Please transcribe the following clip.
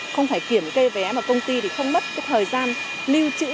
không phải kiểm kê vé mà công ty thì không mất thời gian lưu trữ